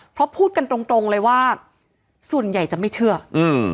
เพราะพูดกันตรงตรงเลยว่าส่วนใหญ่จะไม่เชื่ออืม